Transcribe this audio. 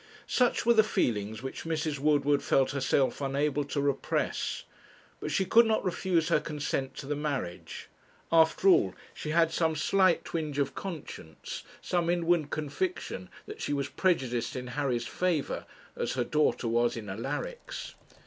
Such were the feelings which Mrs. Woodward felt herself unable to repress; but she could not refuse her consent to the marriage. After all, she had some slight twinge of conscience, some inward conviction that she was prejudiced in Harry's favour, as her daughter was in Alaric's.